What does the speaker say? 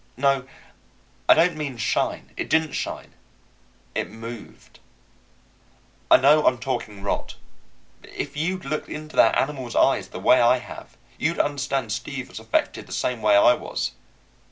No, I don't mean shine. It didn't shine; it moved. I know I'm talking rot, but if you'd looked into that animal's eyes the way I have, you'd understand. Steve was affected the same way I was.